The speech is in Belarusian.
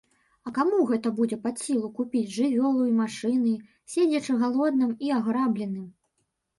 А каму гэта будзе пад сілу купіць жывёлу і машыны, седзячы галодным і аграбленым?